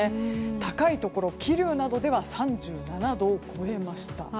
高いところ、桐生などでは３７度を超えました。